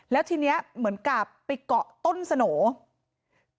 แล้วทีนี้เหมือนกับไปเกาะต้นสโหน่